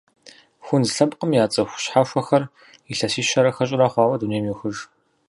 Хунз лъэпкъым я цӏыху щхьэхуэхэр илъэсищэрэ хыщӏрэ хъуауэ дунейм йохыж.